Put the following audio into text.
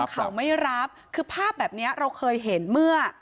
เขาไม่รับคือภาพแบบนี้เราเคยเห็นเมื่อ